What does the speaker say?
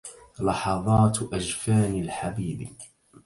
لحظات أجفان الحبيب